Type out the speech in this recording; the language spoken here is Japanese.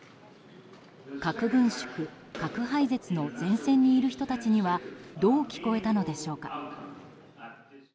核軍縮・核廃絶の前線にいる人たちにはどう聞こえたのでしょうか。